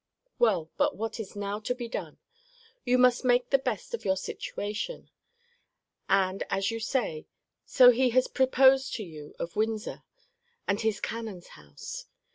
Well, but what is now to be done? You must make the best of your situation: and as you say, so he has proposed to you of Windsor, and his canon's house.